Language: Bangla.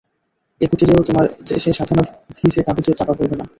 এ কুটিরেও তোমার সে সাধনা ভিজে কাগজে চাপা পড়বে না।